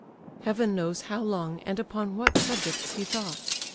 Heaven knows how long and upon what subjects he thought.